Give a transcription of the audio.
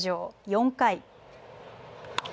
４回。